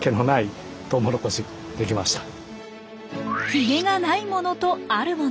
ヒゲがないものとあるもの。